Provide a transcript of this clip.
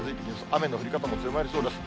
雨の降り方も強まりそうです。